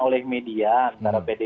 oleh media antara pd